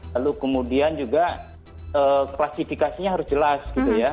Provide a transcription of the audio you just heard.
lalu kemudian juga klasifikasinya harus jelas gitu ya